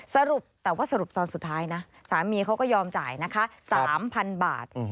สรุปแต่ว่าสรุปตอนสุดท้ายนะสามีเขาก็ยอมจ่ายนะคะ๓๐๐๐บาท